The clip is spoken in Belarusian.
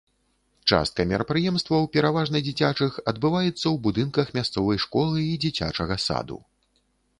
Частка мерапрыемстваў, пераважна дзіцячых, адбываецца ў будынках мясцовай школы і дзіцячага саду.